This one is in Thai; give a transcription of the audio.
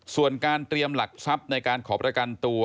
ส่วนการเตรียมหลักทรัพย์ในการขอประกันตัว